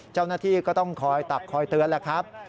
เจ้าหน้าที่ก็ต้องคอยตักคอยเตือนแหละครับ